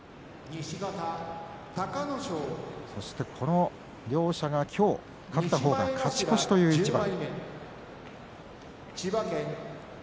そしてこの両者は今日勝った方が勝ち越しという一番。